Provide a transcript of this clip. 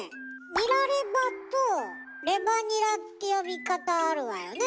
「ニラレバ」と「レバニラ」って呼び方あるわよね。